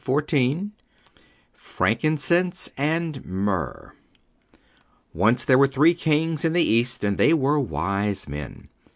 XIV FRANKINCENSE AND MYRRH Once there were three kings in the East and they were wise men.